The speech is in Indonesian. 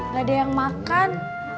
gak ada yang makan